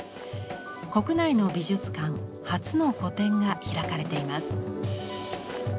国内の美術館初の個展が開かれています。